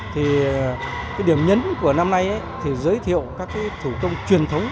thì điểm nhấn của năm nay thì giới thiệu các thủ công truyền thống